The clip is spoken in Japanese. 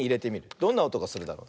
どんなおとがするだろう。